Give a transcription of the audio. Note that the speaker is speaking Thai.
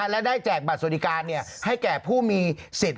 และได้แจกบัตรสวัสดิการให้แก่ผู้มีสิทธิ์